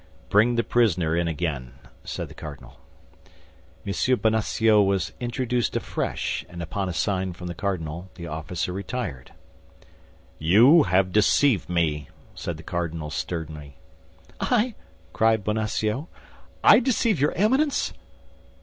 "Bring the prisoner in again," said the cardinal. M. Bonacieux was introduced afresh, and upon a sign from the cardinal, the officer retired. "You have deceived me!" said the cardinal, sternly. "I," cried Bonacieux, "I deceive your Eminence!"